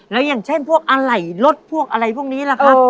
แล้วยังเช่นพวกอะไหล่รถพวกอะไรพวกนี้แหละค่ะ